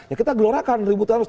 ya kita gelorakan ribu tahun